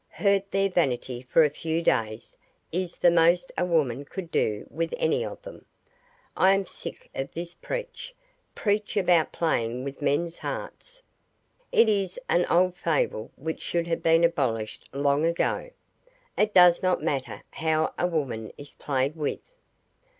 Hurt their vanity for a few days is the most a woman could do with any of them. I am sick of this preach, preach about playing with men's hearts. It is an old fable which should have been abolished long ago. It does not matter how a woman is played with."